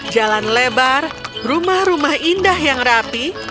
jalan lebar rumah rumah indah yang rapi